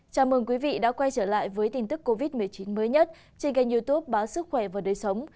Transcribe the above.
chào mừng quý vị đã quay trở lại với tin tức covid một mươi chín mới nhất trên kênh youtube báo sức khỏe và đời sống